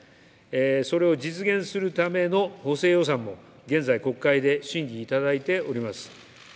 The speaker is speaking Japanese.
それを実現するための補正予算も現在、国会で審議いただいております。